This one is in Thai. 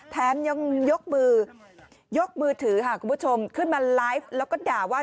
แถมยังยกมือยกมือถือค่ะคุณผู้ชมขึ้นมาไลฟ์แล้วก็ด่าว่า